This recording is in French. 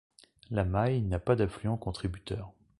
La Maye n'a pas d'affluent contributeur.